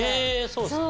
そうです。